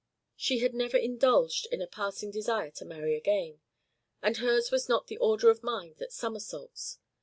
She had never indulged in a passing desire to marry again, and hers was not the order of mind that somersaults.